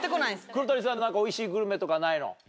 黒谷さん何かおいしいグルメとかないの？